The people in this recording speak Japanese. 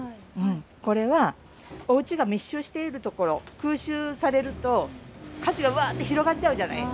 これはおうちが密集している所空襲されると火事がうわって広がっちゃうじゃない。